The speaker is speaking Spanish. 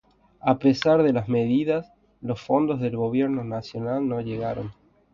A pesar de las medidas, los fondos del Gobierno nacional no llegaron.